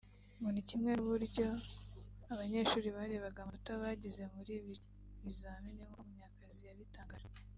ngo ni kimwe n’uburyo abanyeshuri barebaga amanota bagize muri ibi bizami nk’uko Munyakazi yabitangaje